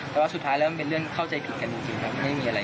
แต่ว่าสุดท้ายเริ่มเป็นเรื่องเข้าใจผิดกันจริงครับไม่มีอะไร